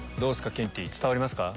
ケンティー伝わりますか？